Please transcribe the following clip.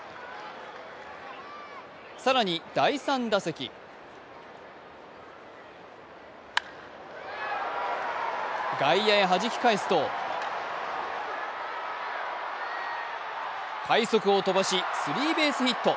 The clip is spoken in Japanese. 更に第３打席外野へはじき返すと快足を飛ばしスリーベースヒット。